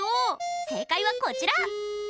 正解はこちら！